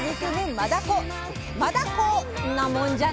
マダコんなもんじゃない！